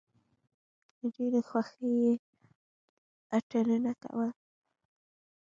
له ډېرې خوښۍ یې اتڼونه کول.